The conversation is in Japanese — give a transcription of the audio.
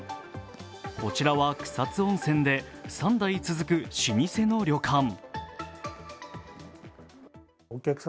こちらは、草津温泉で三代続く老舗の旅館。